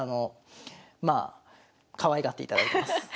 まあかわいがっていただいてます。